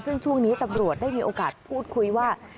ซึ่งช่วงนี้ตำรวจได้มีโอกาสพูดคุยว่า